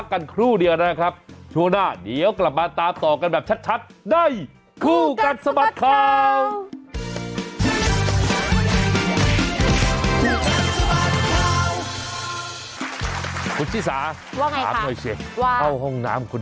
มันก็มีบ้างเหมือนกัน